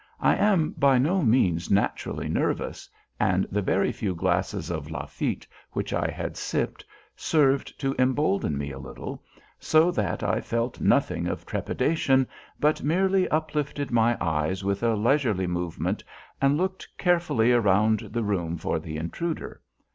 I am by no means naturally nervous, and the very few glasses of Lafitte which I had sipped served to embolden me a little, so that I felt nothing of trepidation, but merely uplifted my eyes with a leisurely movement and looked carefully around the room for the intruder.